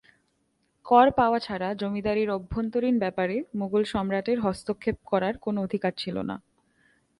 কর পাওয়া ছাড়া জমিদারির অভ্যন্তরীণ ব্যাপারে মোগল সম্রাটের হস্তক্ষেপ করার কোন অধিকার ছিল না।